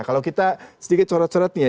kalau kita sedikit curhat curhat nih ya